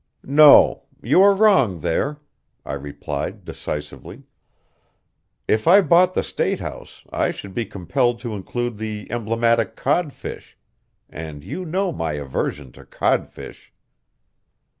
"No, you are wrong there," I replied decisively. "If I bought the State House I should be compelled to include the emblematic codfish, and you know my aversion to codfish."